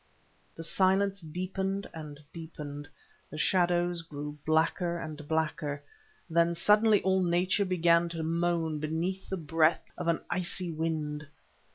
The silence deepened and deepened, the shadows grew blacker and blacker, then suddenly all nature began to moan beneath the breath of an icy wind.